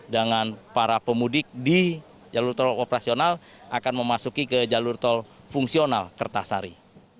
dengan para pemudik di jalur tol operasional akan memasuki ke jalur tol fungsional kertasari